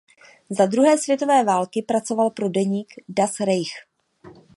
Za druhé světové války pracoval pro týdeník "Das Reich".